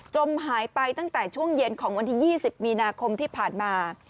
จมหายไปตั้งแต่ช่วงเย็นของวันที่๒๐มีนาคมที่ผ่านมา